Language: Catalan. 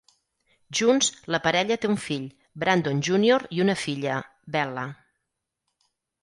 Junts, la parella té un fill, Brandon Junior, i una filla, Bella.